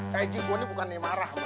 kayak g gua ini bukan yang marah sama lu